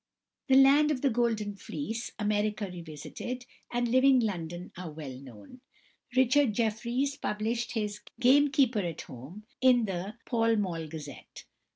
"The Land of the Golden Fleece," "America Revisited," and "Living London" are well known. =Richard Jefferies (1848 1887)= published his "Gamekeeper at Home" in the Pall Mall Gazette.